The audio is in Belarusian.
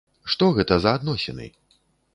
Што гэта за адносіны?